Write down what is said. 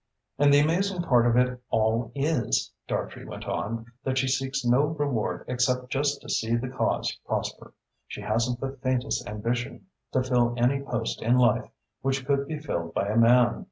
"And the amazing part of it all is," Dartrey went on, "that she seeks no reward except just to see the cause prosper. She hasn't the faintest ambition to fill any post in life which could be filled by a man.